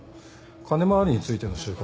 金回りについての収穫は？